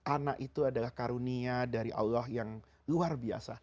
anak itu adalah karunia dari allah yang luar biasa